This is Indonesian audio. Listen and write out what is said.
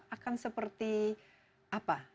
akan seperti apa